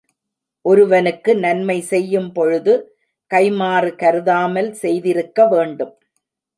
ஒருவனுக்கு நன்மை செய்யும் பொழுது கைம்மாறு கருதாமல் செய்திருக்க வேண்டும்.